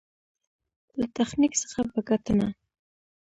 له تخنيک څخه په ګټنه.